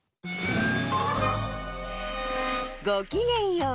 ごきげんよう。